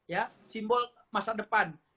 ya simbol masa depan